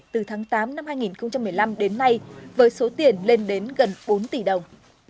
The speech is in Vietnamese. từ tháng tám năm hai nghìn một mươi năm đến nay với số tiền lên đến gần bốn tỷ đồng